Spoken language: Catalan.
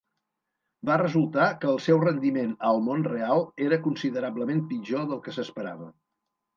Va resultar que el seu rendiment al "món real" era considerablement pitjor del que s'esperava.